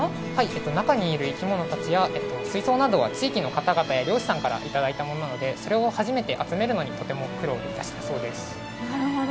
中にいる生き物たちや水槽などは地域の方々や漁師さんからいただいたものなのでそれを初めて集めるのに苦労したそうです。